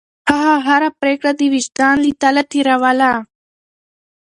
هغه هره پرېکړه د وجدان له تله تېروله.